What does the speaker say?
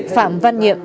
hai phạm văn nhiệm